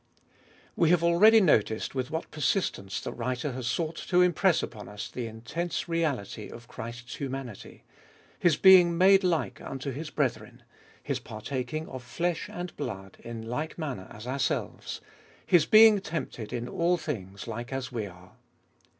WE have already noticed with what persistence the writer has sought to impress upon us the intense reality of Christ's humanity — His being made like unto His brethren, His par taking of flesh and blood in like manner as ourselves, His being tempted in all things like as we are.